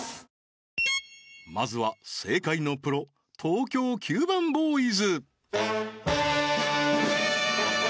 まずは正解のプロ東京キューバンボーイズ